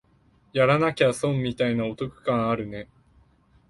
やらなきゃ損みたいなお得感あるね